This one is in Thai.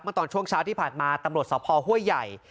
เมื่อตอนช่วงเช้าที่ผ่านมาตำรวจสาวพอห้วยใหญ่